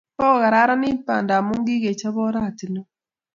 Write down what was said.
Kokokararanit abnda amu kikechob oratinwek